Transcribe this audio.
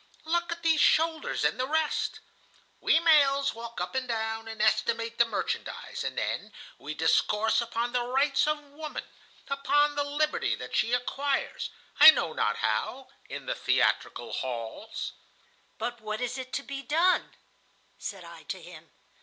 Look at these shoulders and the rest.' We males walk up and down, and estimate the merchandise, and then we discourse upon the rights of woman, upon the liberty that she acquires, I know not how, in the theatrical halls." "But what is to be done?" said I to him.